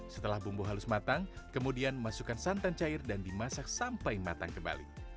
setelah bumbu halus matang kemudian masukkan santan cair dan dimasak sampai matang kembali